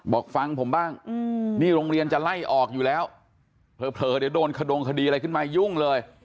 บอกฟังผมบ้างนี่โรงเรียนจะไล่ออกอยู่แล้วเผลอเดี๋ยวโดนขดงคดีอะไรขึ้นมายุ่งเลย